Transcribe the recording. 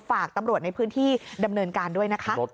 ฝากตำรวจในพื้นที่ดำเนินการด้วยนะคะ